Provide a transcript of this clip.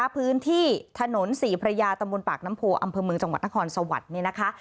พื้นที่ถนนศรีพระยาตำบลปากน้ำโพอำเภอเมืองจังหวัดนครสวรรค์นี่นะคะ